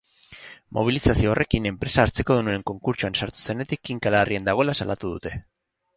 Mobilizazio horrekin, enpresa hartzekodunen konkurtsoan sartu zenetik kinka larrian dagoela salatu dute.